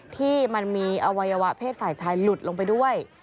ที่มันมีอวัยวะเพศฝ่ายชายหลุดลงไปด้วย